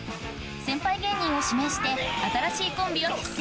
先輩芸人を指名して新しいコンビを結成！